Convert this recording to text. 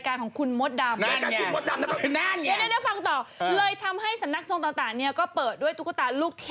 แต่หน้ายังทำกันที่สยาปกติ